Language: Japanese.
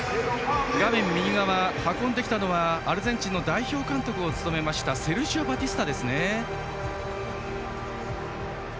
画面右側、運んできたのはアルゼンチンの代表監督を務めたセルジオ・バティスタ。